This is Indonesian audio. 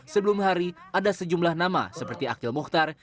sebelum hari ada sejumlah nama seperti akhil mukhtar